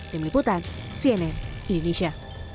tim liputan cnn indonesia